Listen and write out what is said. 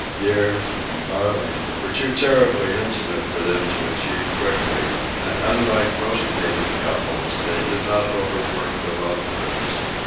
"Dear" and "darling" were too terribly intimate for them to achieve quickly; and, unlike most mating couples, they did not overwork the love words.